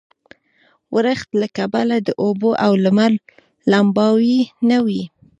ورښت له کبله د اوبو او لمر لمباوې نه وې.